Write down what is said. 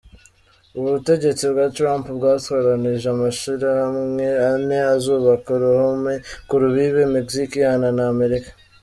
Ubutegetsi bwa Trump bwatoranije amashirahamwe ane azubaka uruhome ku rubibe Mexique ihana na Amerika.